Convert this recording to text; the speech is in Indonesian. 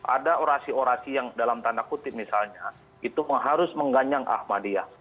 ada orasi orasi yang dalam tanda kutip misalnya itu harus mengganyang ahmadiyah